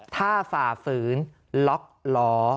ถ้าฝ่าฝืนล็อกล้อ